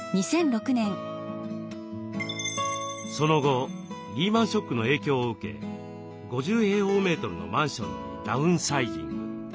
その後リーマンショックの影響を受け５０のマンションにダウンサイジング。